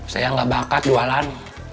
saya gak bakat jualan